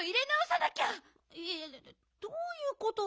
えっどういうこと？